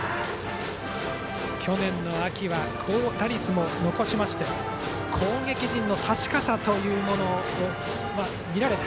去年の秋は高打率も残しまして攻撃陣の確かさも見られた。